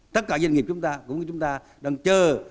tất cả doanh nghiệp chúng ta cũng như chúng ta đang chờ